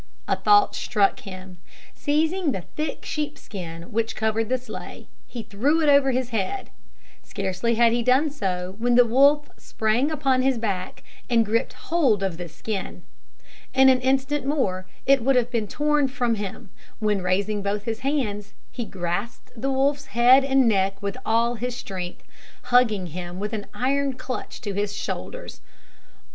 A thought struck him. Seizing the thick sheep skin which covered the sleigh, he threw it over his head. Scarcely had he done so when the wolf sprang upon his back, and gripped hold of the skin. In an instant more it would have been torn from him, when, raising both his hands, he grasped the wolf's head and neck with all his strength, hugging him with an iron clutch to his shoulders.